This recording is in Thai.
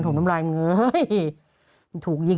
ทมน้ำลาย